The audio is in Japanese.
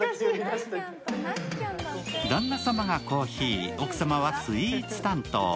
旦那様がコーヒー、奥様はスイーツ担当。